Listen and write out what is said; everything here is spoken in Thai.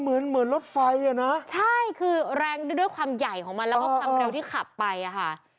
เหมือนเหมือนรถไฟอ่ะนะใช่คือแรงด้วยความใหญ่ของมันแล้วก็ความเร็วที่ขับไปอ่ะค่ะ